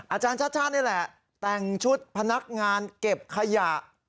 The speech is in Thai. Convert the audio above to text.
อาจารย์ชาติชาตินี่แหละแต่งชุดพนักงานเก็บขยะ